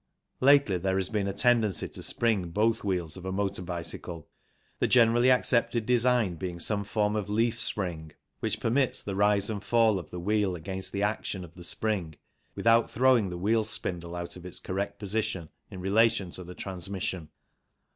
Lately there has been a tendency to spring both wheels of a motor bicycle, the generally accepted design being some form of leaf spring, which permits the rise and fall of the wheel against the action of the spring without throwing the wheel spindle out of its correct position in relation to the transmission.